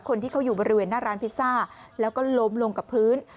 คนที่เขาอยู่บริเวณหน้าร้านพิซซ่าแล้วก็ล้มลงกับพื้น